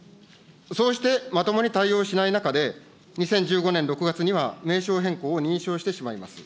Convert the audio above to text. そうして、まともに対応しない中で、２０１５年６月には、名称変更を認証してしまいます。